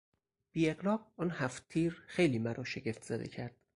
بیاغراق آن هفتتیر خیلی مرا شگفتزده کرد.